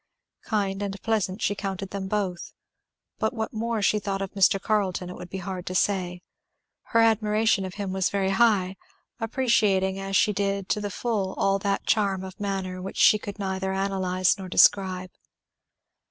Kind and pleasant she counted them both; but what more she thought of Mr. Carleton it would be hard to say. Her admiration of him was very high, appreciating as she did to the full all that charm of manner which she could neither analyze nor describe.